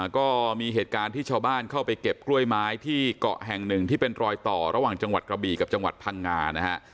ก็มีเหตุการณ์ที่ชาวบ้านเข้าไปเก็บกล้วยไม้ที่เกาะแห่งหนึ่งที่เป็นรอยต่อระหว่างจังหวัดกระบีกับจังหวัดพังงานะฮะ